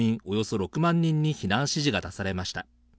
およそ６万人に避難指示が出されました。